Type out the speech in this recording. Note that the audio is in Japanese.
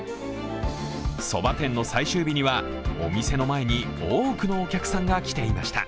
そば店の最終日には、お店の前に多くのお客さんが来ていました。